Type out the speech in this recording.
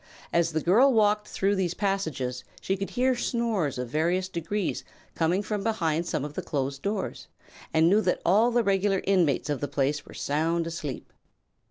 As the girl walked through these passages she could hear snores of various degrees coming from behind some of the closed doors and knew that all the regular inmates of the place were sound asleep.